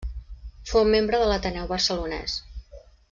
Fou membre de l'Ateneu Barcelonès.